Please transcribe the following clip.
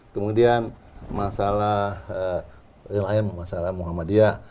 kemudian masalah lain masalah muhammadiyah